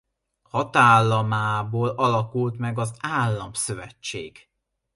Hat államából alakult meg a államszövetség.